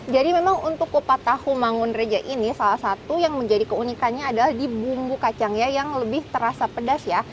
jadi memang untuk kupat tahu mangun reja ini salah satu yang menjadi keunikannya adalah di bumbu kacang yang lebih terasa pedas ya